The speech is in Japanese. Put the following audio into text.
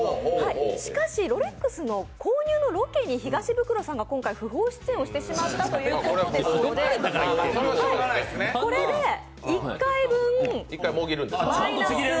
しかし、ロレックスの購入のロケに東ブクロさんが今回不法出演をしてしまったということですのでこれで１回分マイナス。